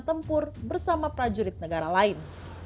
tempur bersama prajurit negara lain